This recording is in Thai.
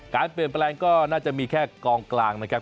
การเปลี่ยนแปลงก็น่าจะมีแค่กองกลางนะครับ